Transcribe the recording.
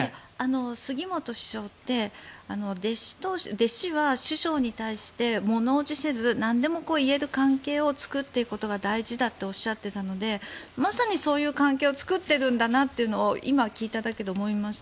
杉本師匠って弟子は師匠に対して物おじせずなんでも言える関係を作ることが大事だとおっしゃっていたのでまさにそういう関係を作っているんだなと今、聞いただけで思いました。